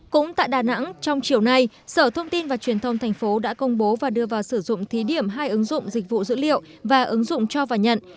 cũng tại đà nẵng trong chiều nay sở thông tin và truyền thông thành phố đã công bố và đưa vào sử dụng thí điểm hai ứng dụng dịch vụ dữ liệu và ứng dụng cho và nhận